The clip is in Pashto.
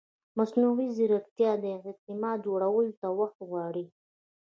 مصنوعي ځیرکتیا د اعتماد جوړولو ته وخت غواړي.